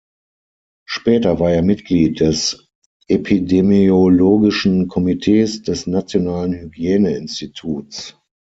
Später war er Mitglied des epidemiologischen Komitees des nationalen Hygieneinstituts.